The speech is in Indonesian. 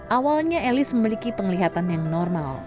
awalnya elis memiliki penglihatan yang normal